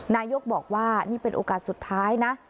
นายกรัฐมนตรีบอกว่านี่เป็นโอกาสสุดท้ายนะ